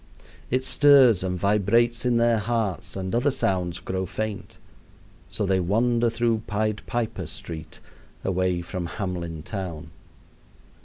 It stirs and vibrates in their hearts and other sounds grow faint. So they wander through Pied Piper Street away from Hamelin town.